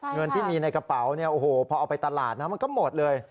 เงินที่มีในกระเป๋าเนี่ยโอ้โหพอเอาไปตลาดนะมันก็หมดเลย